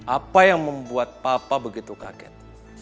apa yang membuat papa begitu kaget